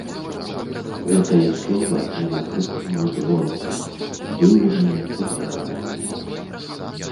Гэтае слова яна крыкнула звонка, здзіўленая і ўзрадаваная.